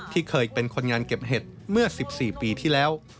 เคยเป็นคนงานเก็บเห็ดเมื่อ๑๔ปีที่แล้ว